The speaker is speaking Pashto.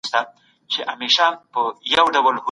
ایا د پیازو بوی د مکروبونو په وژلو کي مرسته کوي؟